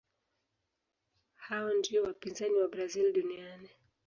hao ndiyo wapinzani wa brazil duniani